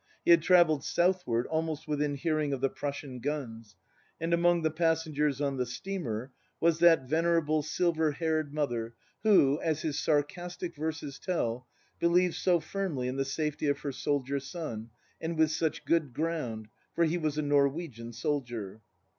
He had travelled southward, almost within hearing of the Prussian guns; and among the passengers on the steamer was that venerable silver haired mother who, as his sar castic verses tell, believed so firmly in the safety of her soldier son, and with such good ground, "for he was a Norwegian soldier."